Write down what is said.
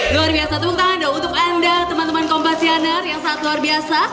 luar biasa tepuk tangan dong untuk anda teman teman kompassioner yang sangat luar biasa